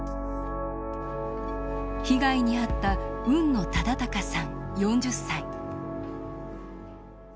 被害に遭った海野雅威さん４０歳。